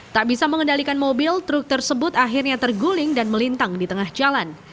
tak bisa mengendalikan mobil truk tersebut akhirnya terguling dan melintang di tengah jalan